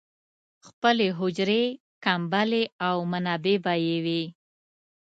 خپلې حجرې، کمبلې او منابع به یې وې.